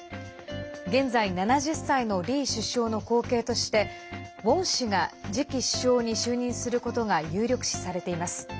現在７０歳のリー首相の後継としてウォン氏が次期首相に就任することが有力視されています。